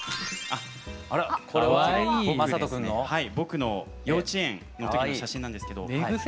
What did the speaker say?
僕の幼稚園の時の写真なんですけど。